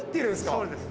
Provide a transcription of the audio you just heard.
そうです。